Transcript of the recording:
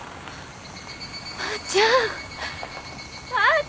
ばあちゃん。